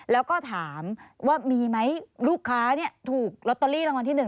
แล้วก็ถามว่ามีไหมลูกค้าถูกลอตเตอรี่รางวัลที่๑